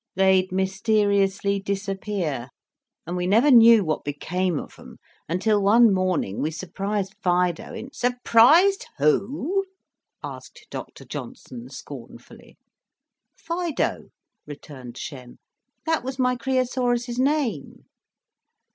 They'd mysteriously disappear, and we never knew what became of 'em until one morning we surprised Fido in " "Surprised who?" asked Doctor Johnson, scornfully. "Fido," returned Shem. "'That was my Creosaurus's name."